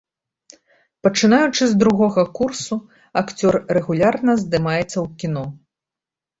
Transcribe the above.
Пачынаючы з другога курсу, акцёр рэгулярна здымаецца ў кіно.